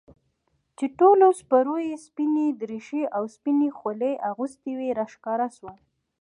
چې ټولو سپرو يې سپينې دريشۍ او سپينې خولۍ اغوستې وې راښکاره سوه.